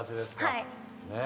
はい。